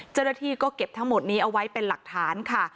เจ้าหน้าที่ก็เก็บทั้งหมดนี้เอาไว้เป็นหลักฐานค่ะ